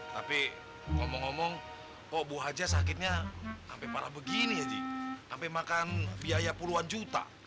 tapi ngomong ngomong kok bu haji sakitnya sampai parah begini aja sampai makan biaya puluhan juta